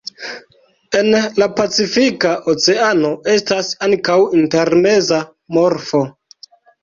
En la Pacifika Oceano estas ankaŭ intermeza morfo.